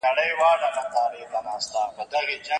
ستوني به وچ خولې به ګنډلي وي ګونګي به ګرځو